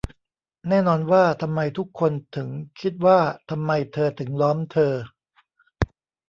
แน่นอนว่าทำไมทุกคนถึงคิดว่าทำไมเธอถึงล้อมเธอ